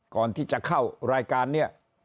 ก่อนที่จะเข้ารายการเนี่ย